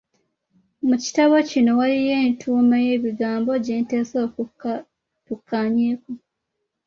Mu kitabo kino waliwo entuuma y’ebigambo gye nteesa tukkaanyeeko.